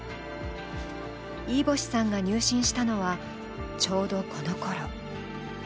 飯星さんが入信したのは、ちょうどこのころ。